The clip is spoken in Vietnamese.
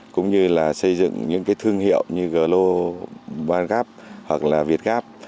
cũng như là xây dựng những cái thương hiệu như globangap hoặc là vietgap